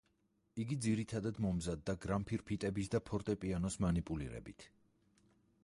იგი ძირითადად მომზადდა გრამფირფიტების და ფორტეპიანოს მანიპულირებით.